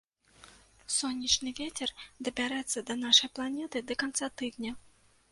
Сонечны вецер дабярэцца да нашай планеты да канца тыдня.